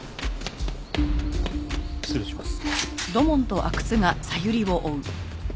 失礼します。